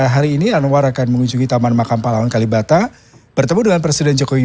hari ini anwar akan mengunjungi taman makam palawan kalibata bertemu dengan presiden jokowi